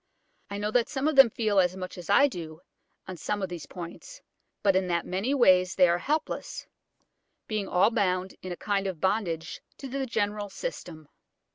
I know that some of them feel much as I do on some of these points, but that in many ways they are helpless, being all bound in a kind of bondage to the general system.